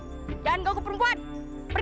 eh jangan ngaku perempuan pergi